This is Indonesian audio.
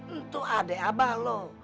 itu adek abah lo